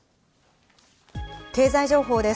経済情報です。